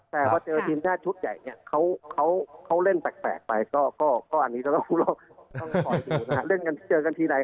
แต่พอเจอทีมชาติชุดใหญ่เนี่ยเขาเล่นแปลกไปก็อันนี้ก็ต้องคอยดูนะฮะเล่นกันเจอกันทีใด